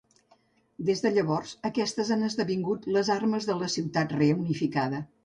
Des de llavors, aquestes han esdevingut les armes de la ciutat reunificada.